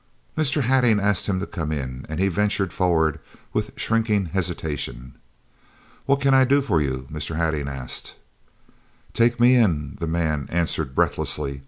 Mr. Hattingh asked him to come in, and he ventured forward with shrinking hesitation. "What can I do for you?" Mr. Hattingh asked. "Take me in," the man answered breathlessly.